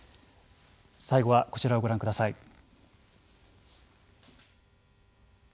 最後はこちらをご覧ください。